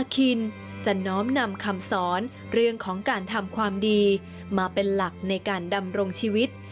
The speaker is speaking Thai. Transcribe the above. คินจะน้อมนำคำสอนเรื่องของการทำความดีมาเป็นหลักในการดำรงชีวิต